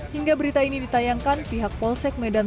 hingga berita ini ditayangkan pihak polsek medan